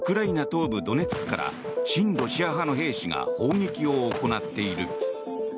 東部ドネツクから親ロシア派の兵士が砲撃を行っている。